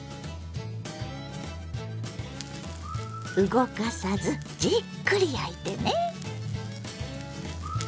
動かさずじっくり焼いてね。